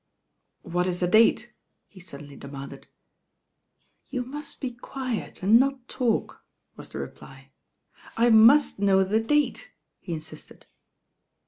''What is the date?" he suddenly demanded. "You must be quiet and not talk," was the reply. "I must know the date," he insisted.